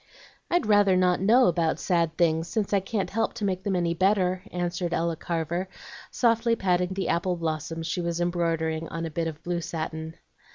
"I'd rather not know about sad things, since I can't help to make them any better," answered Ella Carver, softly patting the apple blossoms she was embroidering on a bit of blue satin.